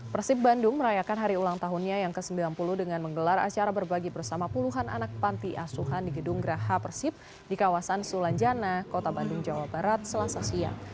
persib bandung merayakan hari ulang tahunnya yang ke sembilan puluh dengan menggelar acara berbagi bersama puluhan anak panti asuhan di gedung graha persib di kawasan sulanjana kota bandung jawa barat selasa siang